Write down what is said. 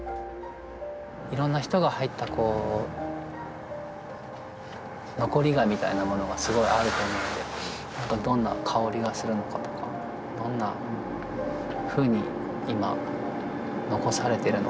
いろんな人が入ったこう残り香みたいなものがすごいあると思うので何かどんな香りがするのかとかどんなふうに今残されてるのかとか。